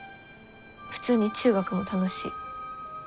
普通に中学も楽しい。